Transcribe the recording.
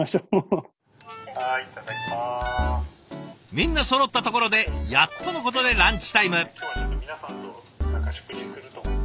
みんなそろったところでやっとのことでランチタイム。